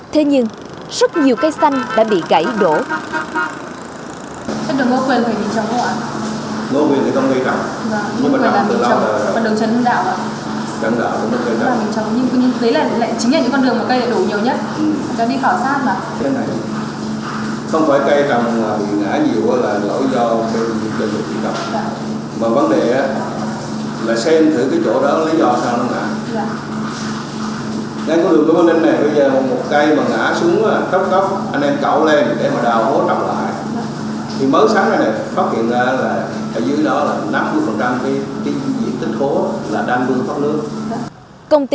thế nhưng rất nhiều cây xanh đã bị gãy đổ